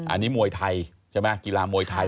อันนี้มวยไทยใช่ไหมกีฬามวยไทย